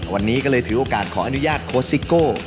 วันนี้ก็เลยถือโอกาสขออนุญาตโค้ชซิโก้